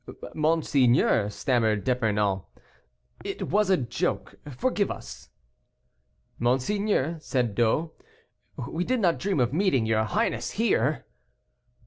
"Monseigneur," stammered D'Epernon, "it was a joke; forgive us." "Monseigneur," said D'O, "we did not dream of meeting your highness here!"